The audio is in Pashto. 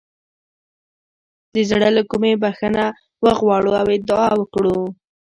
د زړه له کومې بخښنه وغواړو او دعا وکړو.